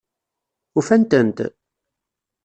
Ufan-tent?